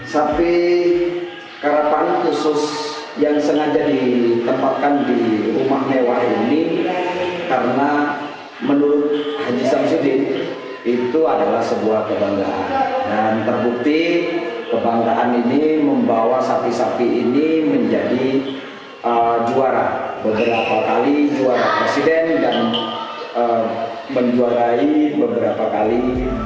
sapi karapan khusus yang sengaja ditempatkan di rumah kami